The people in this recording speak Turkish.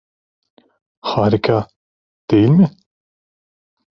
Harika, değil mi?